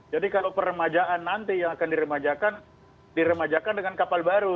kalau peremajaan nanti yang akan diremajakan diremajakan dengan kapal baru